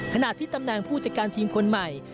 ขณะที่ตำแหน่งผู้จัดการทีมคนใหม่